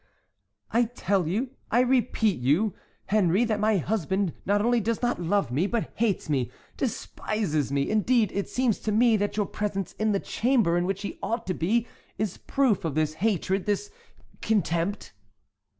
"I tell you, I repeat to you, Henri, that my husband not only does not love me, but hates—despises me; indeed, it seems to me that your presence in the chamber in which he ought to be is proof of this hatred, this contempt."